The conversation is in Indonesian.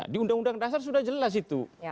di undang undang dasar sudah jelas itu